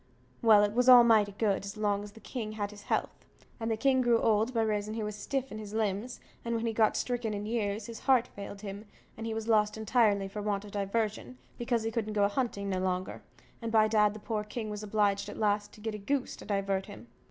Well, it was all mighty good, as long as the king had his health; but, you see, in the course of time the king grew old, by raison he was stiff in his limbs, and when he got stricken in years, his heart failed him, and he was lost entirely for want o' diversion, because he couldn't go a hunting no longer; and, by dad, the poor king was obliged at last to get a goose to divert him.